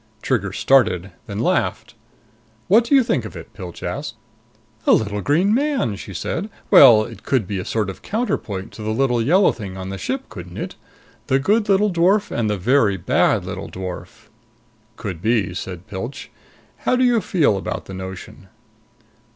Trigger started, then laughed. "What do you think of it?" Pilch asked. "A little green man!" she said. "Well, it could be a sort of counterpart to the little yellow thing on the ship, couldn't it? The good little dwarf and the very bad little dwarf." "Could be," said Pilch. "How do you feel about the notion?"